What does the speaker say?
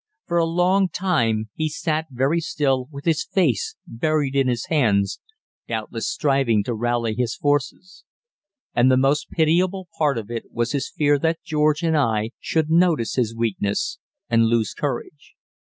For a long time he sat very still with his face buried in his hands, doubtless striving to rally his forces. And the most pitiable part of it was his fear that George and I should notice his weakness and lose courage.